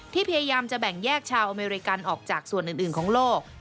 พยายามจะแบ่งแยกชาวอเมริกันออกจากส่วนอื่นของโลก